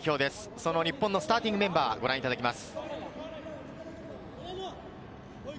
その日本のスターティングメンバーをご覧いただきます。